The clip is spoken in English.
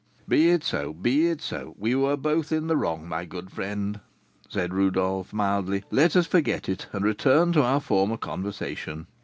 "Be it so, be it so; we were both in the wrong, my good friend," said Rodolph, mildly; "let us forget it, and return to our former conversation.